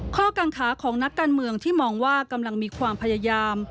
กังขาของนักการเมืองที่มองว่ากำลังมีความพยายาม